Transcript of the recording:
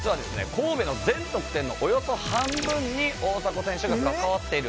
神戸の全得点のおよそ半分に大迫選手が関わっている。